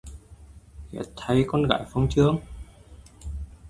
Ghét thay con gái Phong Chương